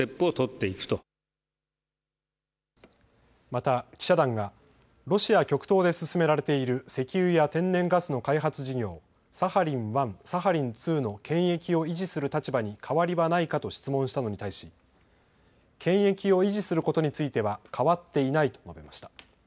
また記者団がロシア極東で進められている石油や天然ガスの開発事業、サハリン１、サハリン２の権益を維持する立場に変わりはないかと質問したのに対し、権益を維持することについては変わっていないと述べました。